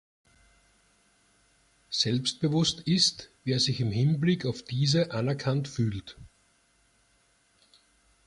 Selbstbewusst ist, wer sich im Hinblick auf diese anerkannt fühlt.